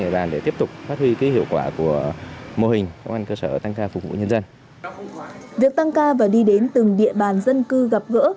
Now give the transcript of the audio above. việc tăng ca và đi đến từng địa bàn dân cư gặp gỡ